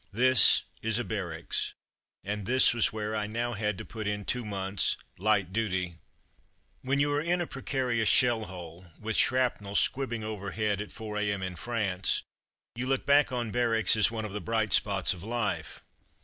This is a barracks, and this was where I now had to put in two months' "light duty. '' When you are in a precarious shell hole, with shrapnel squibbing overhead at 4 a.m. in France, you look back on barracks as one of the bright spots of life.